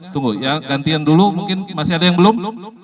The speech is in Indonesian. tunggu ya gantian dulu mungkin masih ada yang belum